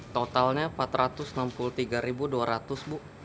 totalnya empat ratus enam puluh tiga dua ratus bu